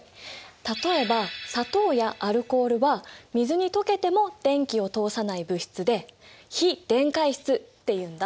例えば砂糖やアルコールは水に溶けても電気を通さない物質で非電解質っていうんだ。